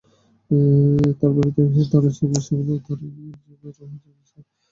তাঁদের বিরুদ্ধে দারুস সালাম থানায় মামলা হয়েছে বলে জানিয়েছে ডিএমপি।